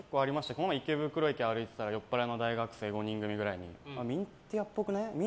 この前、池袋駅を歩いていたら酔っぱらいの大学生５人組くらいにミンティアっぽくね？